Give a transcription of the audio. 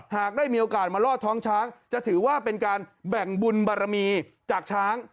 หากได้มีโอกาสมาลอดท้องช้างจะถือว่าเป็นการแบ่งบุญบารมีจากช้าง